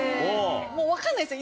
もう分かんないんですよ